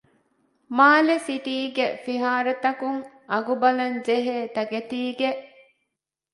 މާލެ ސިޓީގެ ފިހާރަތަކުން އަގުބަލަންޖެހޭ ތަކެތީގެ